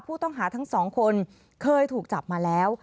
ผู้ต้องหาทั้งสองคนเคยถูกจับมาแล้ว